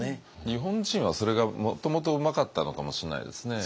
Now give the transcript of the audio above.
日本人はそれがもともとうまかったのかもしれないですね。